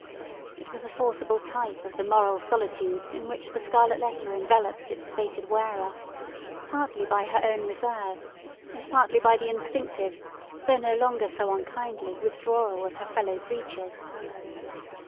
It was a forcible type of the moral solitude in which the scarlet letter enveloped its fated wearer; partly by her own reserve, and partly by the instinctive, though no longer so unkindly, withdrawal of her fellow creatures.